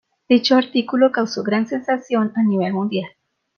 Dicho artículo causó gran sensación a nivel mundial.